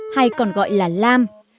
hay còn gọi là lam